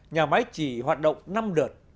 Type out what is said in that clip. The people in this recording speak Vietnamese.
nhà máy chỉ hoạt động năm đợt